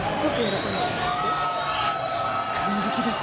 あっ感激です！